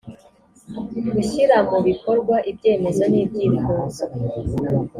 gushyira mu bikorwa ibyemezo n ibyifuzo